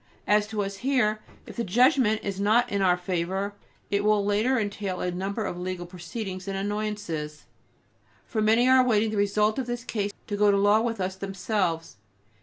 As to us here, if the judgment is not in our favour it will later entail a number of legal proceedings and annoyances, for many are awaiting the result of this case to go to law with us themselves.